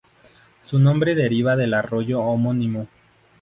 Su nombre deriva del arroyo homónimo.